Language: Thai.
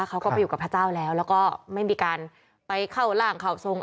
เขาก็ไปอยู่กับพระเจ้าแล้วแล้วก็ไม่มีการไปเข้าร่างเข้าทรง